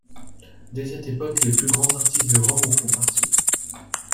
Dès cette époque, les plus grands artistes de Rome en font partie.